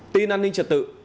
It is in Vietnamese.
tin an ninh trật tự